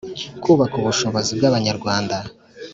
kubaka ubushobozi bw'abanyarwanda,